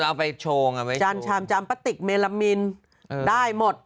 เอาไปโชว์จานชามจานปะติกแมลามิลเออได้หมด